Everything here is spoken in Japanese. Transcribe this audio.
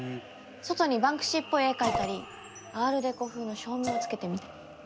外にバンクシーっぽい絵描いたりアールデコ風の照明をつけてみたり。